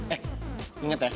eh inget ya